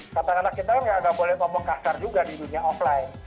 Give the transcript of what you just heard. kata kata kita tidak boleh ngomong kasar juga di dunia offline